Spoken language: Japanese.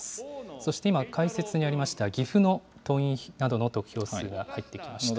そして今、解説にありました岐阜の党員などの得票数が入ってきました。